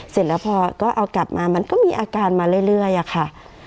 เสร็จแล้วพอก็เอากลับมามันก็มีอาการมาเรื่อยอะค่ะ